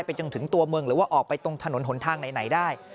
จนถึงตัวเมืองหรือว่าออกไปตรงถนนหนทางไหนได้